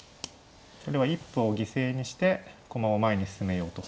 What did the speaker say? それは一歩を犠牲にして駒を前に進めようと。